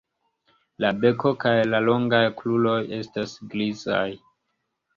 La beko kaj la longaj kruroj estas grizaj.